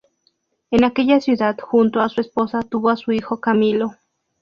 En aquella ciudad, junto a su esposa, tuvo a su hijo Camilo.